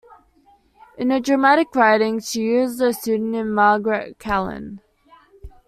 In her dramatic writing she used the pseudonym "Margaret Callan".